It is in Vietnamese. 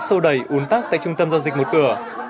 sâu đầy uốn tắc tại trung tâm giao dịch một cửa